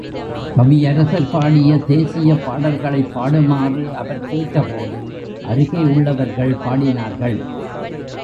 கவியரசர் பாடிய தேசியப் பாடல்களைப் பாடுமாறு அவர் கேட்ட போது அருகே உள்ளவர்கள் பாடினார்கள்.